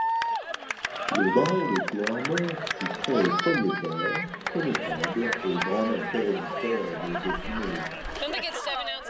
Le baron de Clermont fut créé premier pair, connétable et grand-maître héréditaire de Dauphiné.